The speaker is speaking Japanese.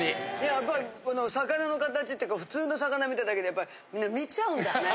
やっぱり魚の形っていうか普通の魚見ただけでやっぱり見ちゃうんだね。